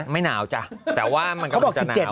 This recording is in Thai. ไม่หนาวจ้ะแต่ว่ามันกำลังจะหนาว